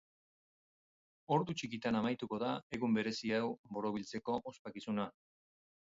Ordu txikitan amaituko da egun berezi hau borobiltzeko ospakizuna.